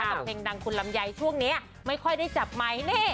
กับเพลงดังคุณลำไยช่วงนี้ไม่ค่อยได้จับไมค์นี่